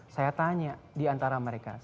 saya tanya di antara mereka